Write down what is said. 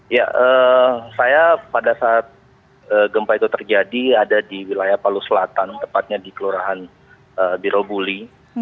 ya saya pada saat gempa itu terjadi ada di wilayah palu selatan tepatnya di kelurahan birobuli